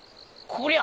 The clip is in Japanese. こりゃ！